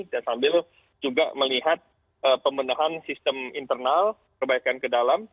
dan sambil juga melihat pembendahan sistem internal perbaikan ke dalam